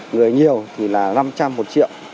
người nhiều thì là năm trăm linh một triệu